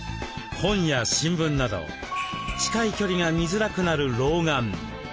本や新聞など近い距離が見づらくなる老眼。